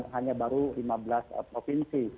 hanya baru lima belas provinsi